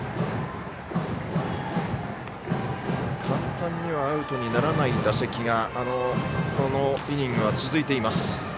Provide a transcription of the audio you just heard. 簡単にはアウトにならない打席がこのイニングは続いています。